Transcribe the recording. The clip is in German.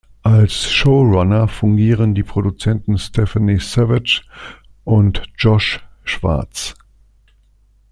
Als Showrunner fungieren die Produzenten Stephanie Savage und Josh Schwartz.